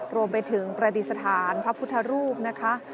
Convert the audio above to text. รวมไปถึงประดิษฐานพระพุทธรูปนะคะ